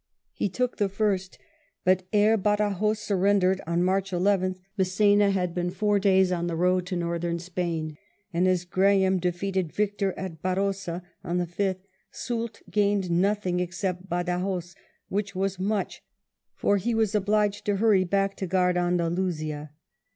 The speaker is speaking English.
He took the first, but ere Badajos sur rendered on March 11th Mass6na had been four days on the road to northern Spain; and as Graham defeated Victor at Barossa on the 5th, Soult gained nothing except Badajos, which was much, for he was obliged to hurry back to guard Andalusia.